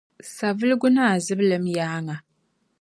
Savelugu Naa Zibilim yaaŋa